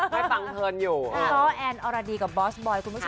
ไม่ฟังเผนอยู่